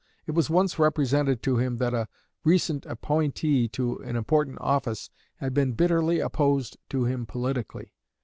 It was once represented to him that a recent appointee to an important office had been bitterly opposed to him politically.